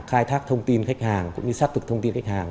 khai thác thông tin khách hàng cũng như xác thực thông tin khách hàng